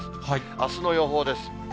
あすの予報です。